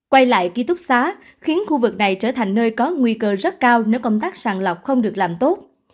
quay lại ký túc xá khiến khu vực này trở thành nơi có nguy cơ rất cao nếu công tác sàng lọc không được làm tốt